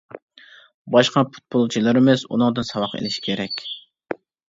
باشقا پۇتبولچىلىرىمىز ئۇنىڭدىن ساۋاق ئېلىش كېرەك.